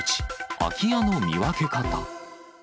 空き家の見分け方。